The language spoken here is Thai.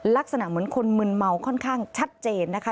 ลักษณะเหมือนคนมึนเมาค่อนข้างชัดเจนนะคะ